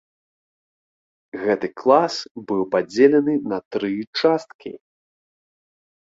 Гэты клас быў падзелены на тры часткі.